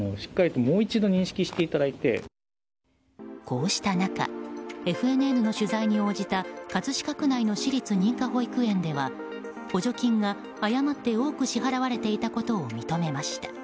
こうした中ＦＮＮの取材に応じた葛飾区内の私立認可保育園では補助金が誤って多く支払われていたことを認めました。